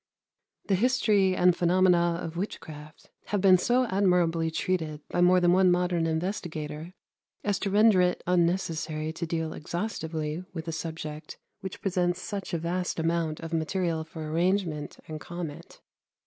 The history and phenomena of witchcraft have been so admirably treated by more than one modern investigator, as to render it unnecessary to deal exhaustively with a subject which presents such a vast amount of material for arrangement and comment.